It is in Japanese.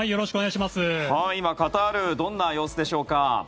今、カタールどんな様子でしょうか。